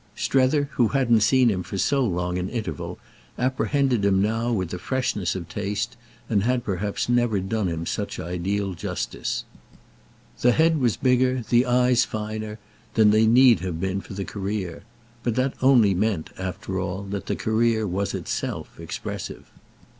Strether, who hadn't seen him for so long an interval, apprehended him now with a freshness of taste, and had perhaps never done him such ideal justice. The head was bigger, the eyes finer, than they need have been for the career; but that only meant, after all, that the career was itself expressive.